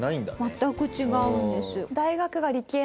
全く違うんです。